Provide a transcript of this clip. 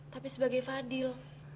tapi sebagai fadil